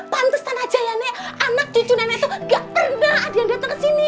pantesan aja ya nek anak cucu nenek itu gak pernah ada yang datang kesini